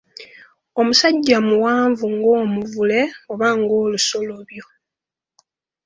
Omusajja muwanvu ng'omuvule oba ng'olusolobyo.